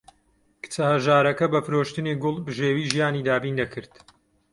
کچە هەژارەکە بە فرۆشتنی گوڵ بژێوی ژیانی دابین دەکرد.